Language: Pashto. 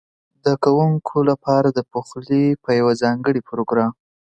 ده کوونکو لپاره د پخلي په یوه ځانګړي پروګرام